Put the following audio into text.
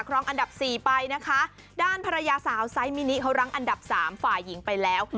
รองอันดับสี่ไปนะคะด้านภรรยาสาวไซส์มินิเขารั้งอันดับสามฝ่ายหญิงไปแล้ว